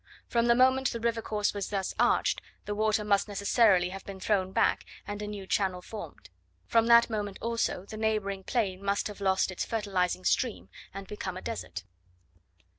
From the moment the river course was thus arched, the water must necessarily have been thrown back, and a new channel formed. From that moment, also, the neighbouring plain must have lost its fertilizing stream, and become a desert.